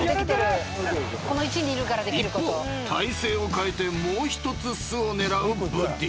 ［一方体勢を変えてもう一つ巣を狙うブッディ］